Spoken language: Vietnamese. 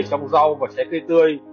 trong rau và chay cây tươi